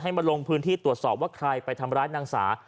มาลงพื้นที่ตรวจสอบว่าใครไปทำร้ายนางสา